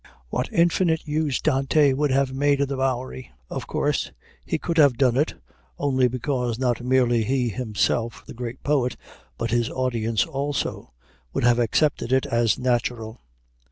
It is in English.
What infinite use Dante would have made of the Bowery! Of course, he could have done it only because not merely he himself, the great poet, but his audience also, would have accepted it as natural.